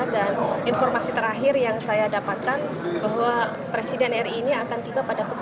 dan informasi terakhir yang saya dapatkan bahwa presiden ri ini akan tiba pada pukul empat belas tiga puluh